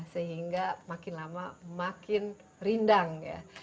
sehingga makin lama makin rindang ya